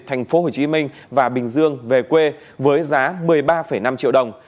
tp hcm và bình dương về quê với giá một mươi ba năm triệu đồng